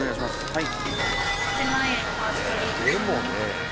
はい。